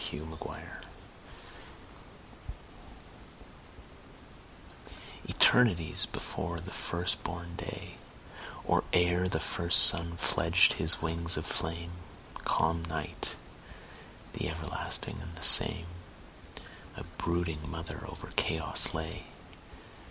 Mother Night ETERNITIES before the first born day, Or ere the first sun fledged his wings of flame, Calm Night, the everlasting and the same,A brooding mother over chaos lay.